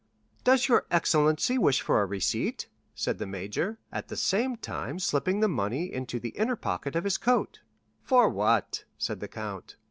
"Does your excellency wish for a receipt?" said the major, at the same time slipping the money into the inner pocket of his coat. "For what?" said the count.